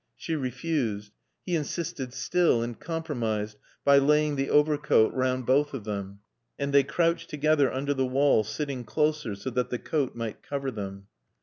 She refused. He insisted still, and compromised by laying the overcoat round both of them. And they crouched together under the wall, sitting closer so that the coat might cover them.